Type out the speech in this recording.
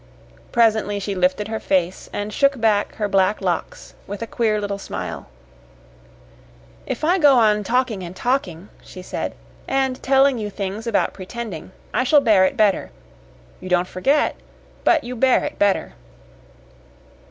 Presently, she lifted her face and shook back her black locks, with a queer little smile. "If I go on talking and talking," she said, "and telling you things about pretending, I shall bear it better. You don't forget, but you bear it better."